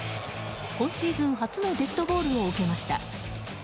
今シーズン初のデッドボールを受けました。